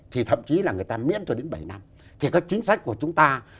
thì các chính sách của chúng ta